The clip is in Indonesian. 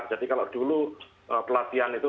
jadi kalau dulu pelatihan itu